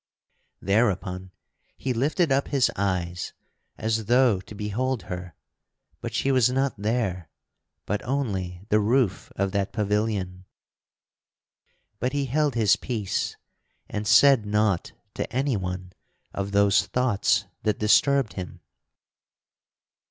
Thereupon he lifted up his eyes as though to behold her, but she was not there, but only the roof of that pavilion. But he held his peace and said naught to anyone of those thoughts that disturbed him.